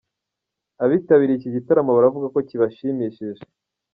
Abitabiriye iki gitaramo baravuga ko kibashimishije.